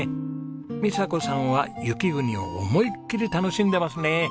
美佐子さんは雪国を思いっきり楽しんでますね！